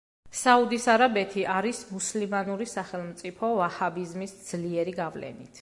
საუდის არაბეთი არის მუსლიმანური სახელმწიფო ვაჰაბიზმის ძლიერი გავლენით.